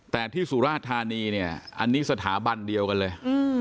แต่ที่สุราธานีเนี่ยอันนี้สถาบันเดียวกันเลย